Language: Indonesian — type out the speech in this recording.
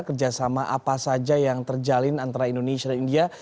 kerjasama apa saja yang terjalin antara indonesia dan india